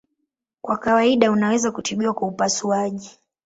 Kwa kawaida unaweza kutibiwa kwa upasuaji.